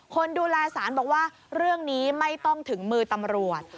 คนดูแลสารบอกว่าเรื่องนี้ไม่ต้องถึงมือตำรวจ